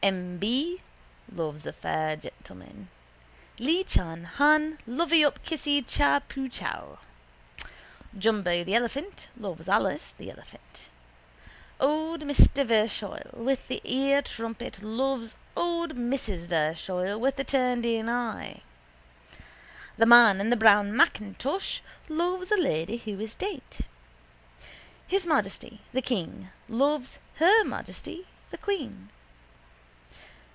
M. B. loves a fair gentleman. Li Chi Han lovey up kissy Cha Pu Chow. Jumbo, the elephant, loves Alice, the elephant. Old Mr Verschoyle with the ear trumpet loves old Mrs Verschoyle with the turnedin eye. The man in the brown macintosh loves a lady who is dead. His Majesty the King loves Her Majesty the Queen.